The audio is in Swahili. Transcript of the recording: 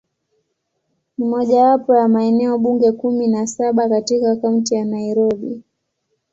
Ni mojawapo wa maeneo bunge kumi na saba katika Kaunti ya Nairobi.